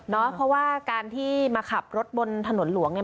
เพราะว่าการที่มาขับรถบนถนนหลวงเนี่ย